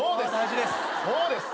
そうです。